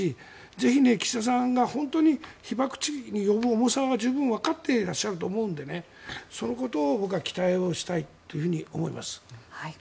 ぜひ岸田さんが本当に被爆地に呼ぶ重さは十分わかっていると思うのでそのことを期待したいと思います。